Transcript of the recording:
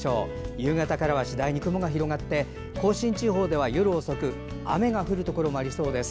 夕方からは次第に雲が広がって甲信地方では夜遅く雨が降るところもありそうです。